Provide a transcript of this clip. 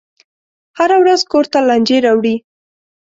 هره ورځ کور ته لانجې راوړي.